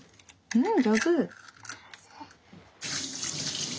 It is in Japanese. うん上手！